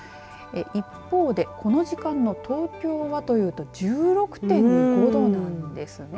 一方でこの時間の東京はというと１６．５度なんですね。